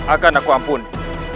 akan aku ampuni